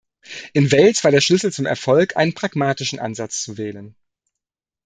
In Wales war der Schlüssel zum Erfolg, einen pragmatischen Ansatz zu wählen.